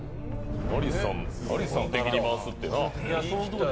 アリスさんを敵に回すってな。